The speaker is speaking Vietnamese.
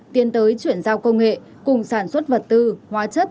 tiến tới chuyển giao công nghệ cùng sản xuất vật tư hóa chất